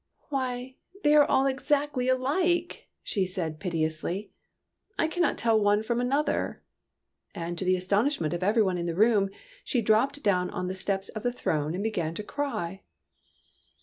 " Why, they are all exactly alike !" she said piteously. " I cannot tell one from another." And to the astonishment of every one in the room, she dropped down on the steps of the throne and began to cry.